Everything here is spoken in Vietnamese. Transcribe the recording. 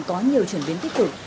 có nhiều chuyển biến tiếp tục